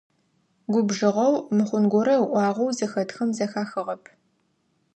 Губжыгъэу, мыхъун горэ ыӏуагъэу зыхэтхэм зэхахыгъэп.